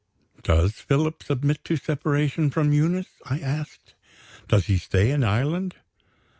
"Does Philip submit to separation from Eunice?" I asked. "Does he stay in Ireland?"